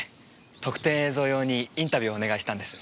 特典映像用にインタビューをお願いしたんです。